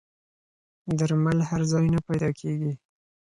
درمل هر ځای نه پیدا کېږي.